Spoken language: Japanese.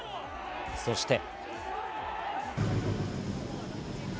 そして。